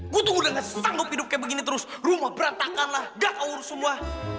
gua tuh udah ga sanggup hidup kayak begini terus rumah berantakan lah ga ngurus semua